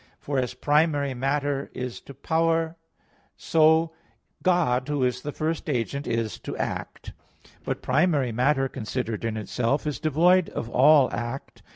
For as primary matter is to power, so God, who is the first agent, is to act. But primary matter, considered in itself, is devoid of all act.